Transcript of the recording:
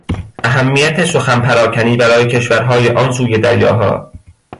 اهمیت سخن پراکنی برای کشورهای آنسوی دریاها